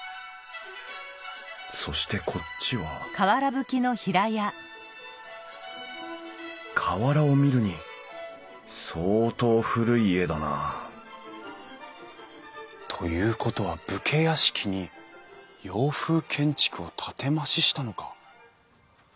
そしてこっちは瓦を見るに相当古い家だなということは武家屋敷に洋風建築を建て増ししたのか？